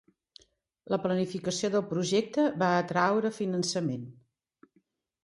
La planificació del projecte va atraure finançament.